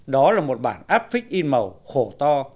đó là một bản áp phích in màu khổ to